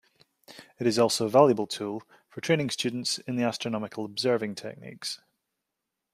It is also a valuable tool for training students in the astronomical observing techniques.